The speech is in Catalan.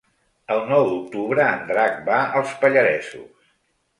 El nou d'octubre en Drac va als Pallaresos.